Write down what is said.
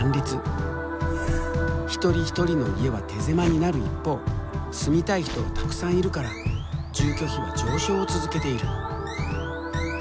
一人一人の家は手狭になる一方住みたい人はたくさんいるから住居費は上昇を続けている。